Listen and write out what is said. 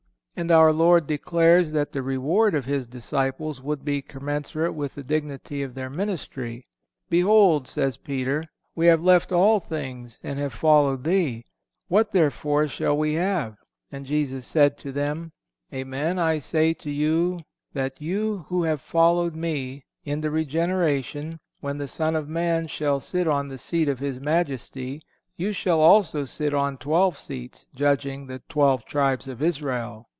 And our Lord declares that the reward of His disciples would be commensurate with the dignity of their ministry: "Behold," says Peter, "we have left all things and have followed Thee. What, therefore, shall we have? And Jesus said to them, Amen, I say to you that you who have followed Me, in the regeneration, when the Son of man shall sit on the seat of His majesty, you shall also sit on twelve seats, judging the twelve tribes of Israel."